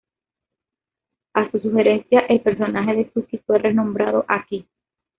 A su sugerencia, el personaje de Suki fue renombrado Aki.